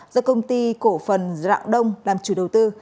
do công ty cổ phần rạng đông làm chủ đầu tư